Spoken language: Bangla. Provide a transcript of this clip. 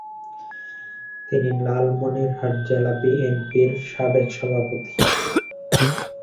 তিনি লালমনিরহাট জেলা বিএনপির সাবেক সভাপতি।